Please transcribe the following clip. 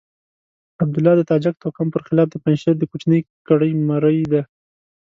عبدالله د تاجک توکم پر خلاف د پنجشير د کوچنۍ کړۍ مرۍ ده.